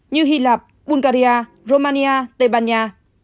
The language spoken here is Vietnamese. như hy lạp bulgaria romania tây ban nha